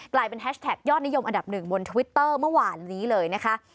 แฮชแท็กยอดนิยมอันดับหนึ่งบนทวิตเตอร์เมื่อวานนี้เลยนะคะ